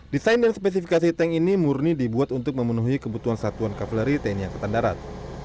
desain dan spesifikasi tank ini murni dibuat untuk memenuhi kebutuhan satuan kaveleri tni angkatan darat